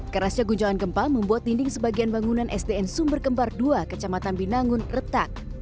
kerasnya guncangan gempa membuat dinding sebagian bangunan sdn sumber kembar dua kecamatan binangun retak